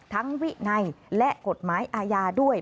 วินัยและกฎหมายอาญาด้วย